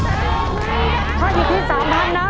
ถ้าอยู่ที่๓๐๐๐นะ